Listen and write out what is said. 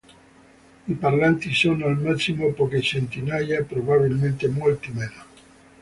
I parlanti sono al massimo poche centinaia, probabilmente molti meno.